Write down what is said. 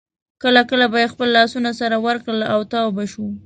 کله کله به یې خپل لاسونه سره ورکړل او تاو به شوې.